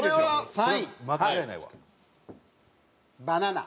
３位バナナ。